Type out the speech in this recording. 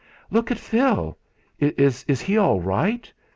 "Look at Phil! Is he all right?